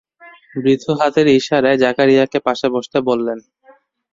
বৃদ্ধ হাতের ইশারায় জাকারিয়াকে পাশে বসতে বললেন।